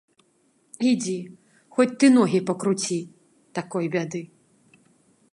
Ідзі, хоць ты ногі пакруці, такой бяды.